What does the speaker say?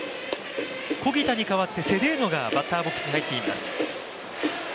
小木田に代わってセデーニョが、バッターボックスに入っています。